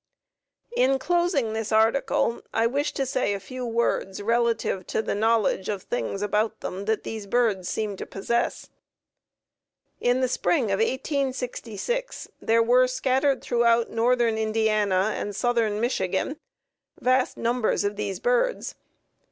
In closing this article I wish to say a few words relative to the knowledge of things about them that these birds seem to possess. In the spring of 1866 there were scattered throughout northern Indiana and southern Michigan vast numbers of these birds.